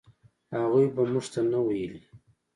هغوی به موږ ته نه ویلې.